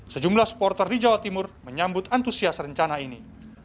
sejumlah supporter di jawa timur menyambut antusias rencana ini